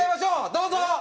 どうぞ！